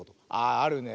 ああるね。